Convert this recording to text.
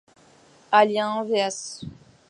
Alien vs.